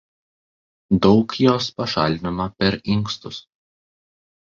Daug jos pašalinama per inkstus.